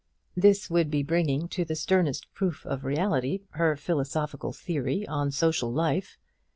This would be bringing to the sternest proof of reality her philosophical theory on social life.